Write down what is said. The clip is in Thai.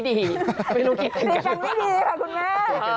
นี่ฟังไม่ดีค่ะคุณแม่